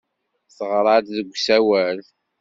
Teɣra-d deg usawal.